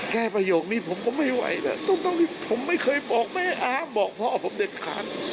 แค่ประโยคนี้ผมก็ไม่ไหวนะต้องต้องผมไม่เคยบอกแม่อาบบอกพ่อผมเด็ดขาด